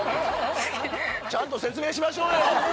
ちゃんと説明しましょうよ！